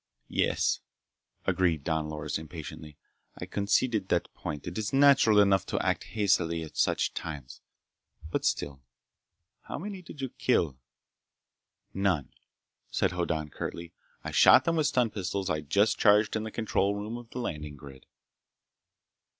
"Yes," agreed Don Loris impatiently. "I concede that point. It is natural enough to act hastily at such times. But still— How many did you kill?" "None," said Hoddan curtly. "I shot them with stun pistols I'd just charged in the control room of the landing grid."